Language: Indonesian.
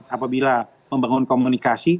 apabila membangun komunikasi